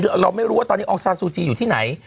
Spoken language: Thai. คือเราไม่รู้ว่าตอนนี้องซาซูจีอยู่ที่ไหน